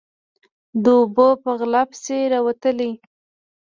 _د اوبو په غلا پسې راوتلی.